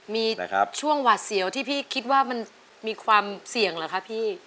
มีช่วงหวาดเสียวที่พี่คิดว่ามันมีความเสี่ยงเหรอคะพี่